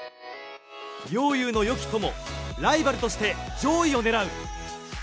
陵侑の良き友、ライバルとして上位をねらう。